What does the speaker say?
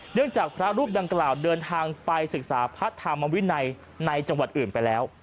จากพระรูปดังกล่าวเดินทางไปศึกษาพระธรรมวินัยในจังหวัดอื่นไปแล้ว